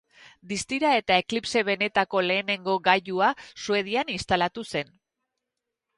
Distira eta eklipse benetako lehenengo gailua Suedian instalatu zen.